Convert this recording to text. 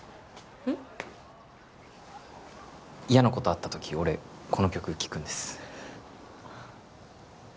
嫌なことあった時俺この曲聴くんです